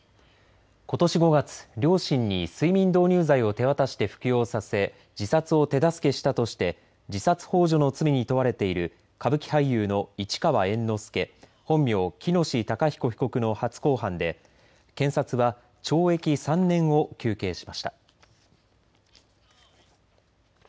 ことし５月、両親に睡眠導入剤を手渡して服用させ自殺を手助けしたとして自殺ほう助の罪に問われている歌舞伎俳優の市川猿之助、本名・喜熨斗孝彦被告の初公判で検察は懲役３年を求刑しました。